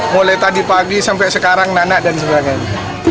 mulai tadi pagi sampai sekarang nana dan sebagainya